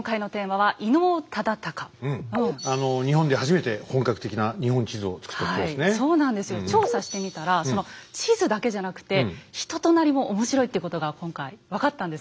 はいそうなんですよ。調査してみたらその地図だけじゃなくて人となりも面白いっていうことが今回分かったんです。